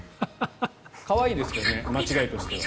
可愛いですけどね間違えとしては。